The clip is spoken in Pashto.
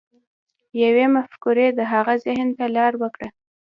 يوې مفکورې د هغه ذهن ته لار وکړه.